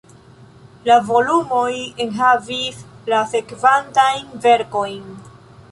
La volumoj enhavis la sekvantajn verkojn.